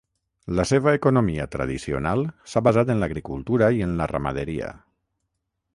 La seva economia tradicional s'ha basat en l'agricultura i en la ramaderia.